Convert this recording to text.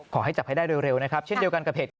ขอให้จับให้ได้เร็วนะครับเช่นเดียวกันกับเหตุการณ์